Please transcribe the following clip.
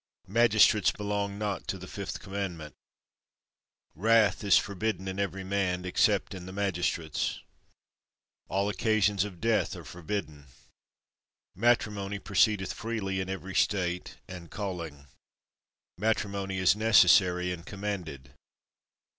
Magistrates belong not to the fifth Commandment. Wrath is forbidden in every man, except in the magistrates. All occasions of death are forbidden. Matrimony proceedeth freely in every state and calling. Matrimony is necessary and commanded.